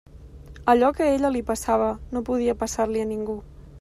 Allò que a ella li passava no podia passar-li a ningú.